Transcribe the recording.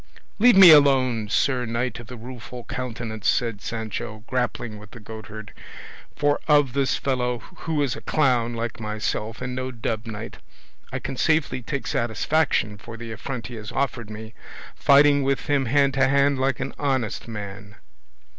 "Leave me alone, Sir Knight of the Rueful Countenance," said Sancho, grappling with the goatherd, "for of this fellow, who is a clown like myself, and no dubbed knight, I can safely take satisfaction for the affront he has offered me, fighting with him hand to hand like an honest man."